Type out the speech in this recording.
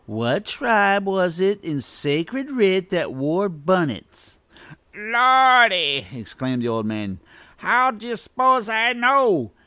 What tribe was it in sacred writ that wore bunnits?" "Lordy!" exclaimed the old man. "How d'ye suppose I know!